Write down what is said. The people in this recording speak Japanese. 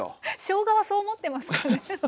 しょうがはそう思ってますかね？